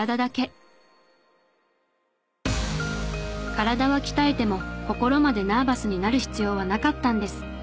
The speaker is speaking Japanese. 体は鍛えても心までナーバスになる必要はなかったんです。